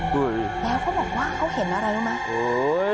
แล้วเขาบอกว่าเขาเห็นอะไรรู้มั้ย